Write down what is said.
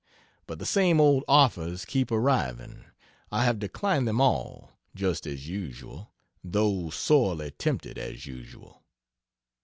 But the same old offers keep arriving. I have declined them all, just as usual, though sorely tempted, as usual.